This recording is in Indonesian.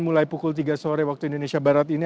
mulai pukul tiga sore waktu indonesia barat ini